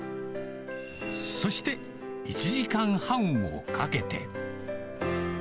そして、１時間半をかけて。